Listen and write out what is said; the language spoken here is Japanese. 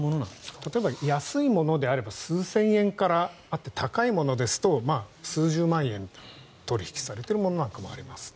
例えば安いものであれば数千円からあって高いものですと数十万円取引されているものなんかもありますね。